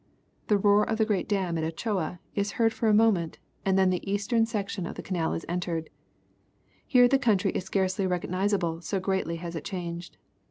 Tlie roar of the great dam at Ochoa is heard for a moment and then the eastern section of the canal is entered. Here the country is scarcely recognizable so greatly has it changed.